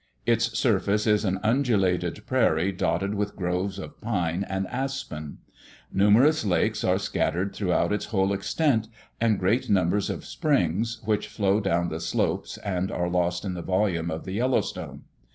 Its surface is an undulated prairie dotted with groves of pine and aspen. Numerous lakes are scattered throughout its whole extent, and great numbers of springs, which flow down the slopes and are lost in the volume of the Yellowstone.